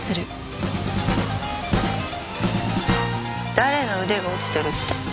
誰の腕が落ちてるって？